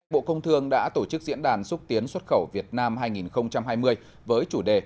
bộ công thương đã tổ chức diễn đàn xúc tiến xuất khẩu việt nam hai nghìn hai mươi với chủ đề